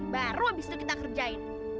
baru habis itu kita kerjain